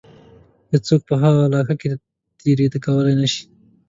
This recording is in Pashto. هیڅوک په هغه علاقه کې تېرېدلای نه شي.